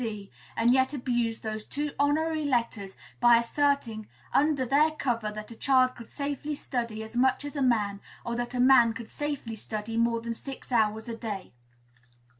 D., and yet abused those two honorary letters by asserting under their cover that a child could safely study as much as a man, or that a man could safely study more than six hours a day."